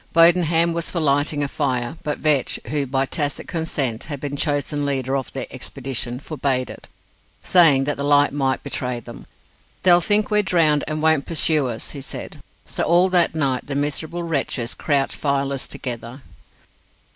Bodenham was for lighting a fire, but Vetch, who, by tacit consent, had been chosen leader of the expedition, forbade it, saying that the light might betray them. "They'll think we're drowned, and won't pursue us," he said. So all that night the miserable wretches crouched fireless together.